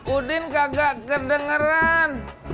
udin kagak kedengeran